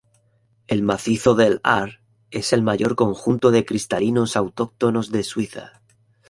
El macizo del Aar es el mayor conjunto de cristalinos autóctonos de Suiza.